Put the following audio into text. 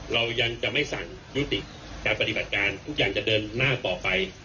เรายังจะไม่สั่งยุติการปฏิบัติการทุกอย่างจะเดินหน้าต่อไป